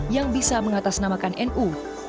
yang bisa mengatasnamakan nu